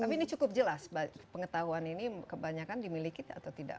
tapi ini cukup jelas pengetahuan ini kebanyakan dimiliki atau tidak